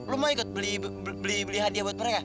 lu mau ikut beli hadiah buat mereka